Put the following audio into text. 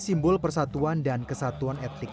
simbol persatuan dan kesatuan etik